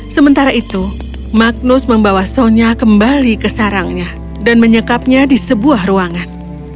sementara itu magnus membawa sonya kembali ke sarangnya dan menyekapnya di sebuah ruangan